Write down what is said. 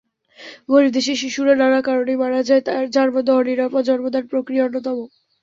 গরিব দেশের শিশুরা নানা কারণেই মারা যায়, যার মধ্যে অনিরাপদ জন্মদান-প্রক্রিয়া অন্যতম।